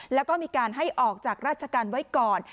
แล้วก็มีการให้ออกจากราชการไว้ก่อน